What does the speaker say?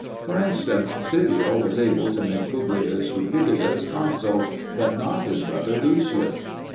For instance, Scipio was able to make Publius Rupilius consul, but not his brother Lucius.